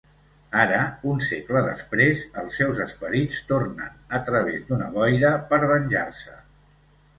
Ara, un segle després, els seus esperits tornen a través d'una boira per venjar-se.